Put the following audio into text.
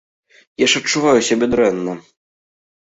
Я ж адчуваю сябе дрэнна.